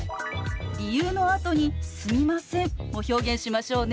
理由のあとに「すみません」も表現しましょうね。